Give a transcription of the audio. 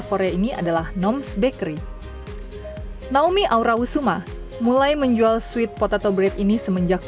korea ini adalah noms bakery naomi aw asked ma mulai menjual sweet potato beri ini semenjak